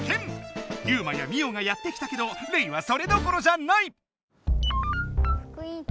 ユウマやミオがやって来たけどレイはそれどころじゃない！